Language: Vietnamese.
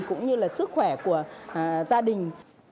cũng như là sức khỏe của gia đình